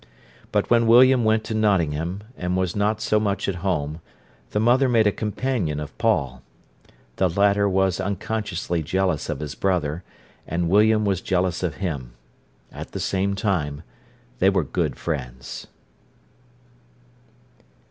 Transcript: But when William went to Nottingham, and was not so much at home, the mother made a companion of Paul. The latter was unconsciously jealous of his brother, and William was jealous of him. At the same time, they were good friends.